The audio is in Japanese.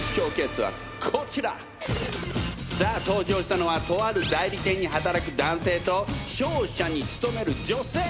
さあ登場したのはとある代理店に働く男性と商社に勤める女性。